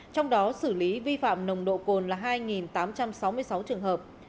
trong đó xử lý vi phạm nồng độ cồn là hai tám trăm sáu mươi sáu trường hợp